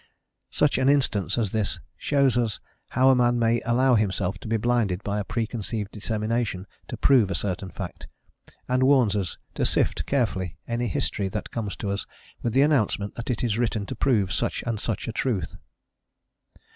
Such an instance as this shows us how a man may allow himself to be blinded by a pre conceived determination to prove a certain fact, and warns us to sift carefully any history that comes to us with the announcement that it is written to prove such and such a truth.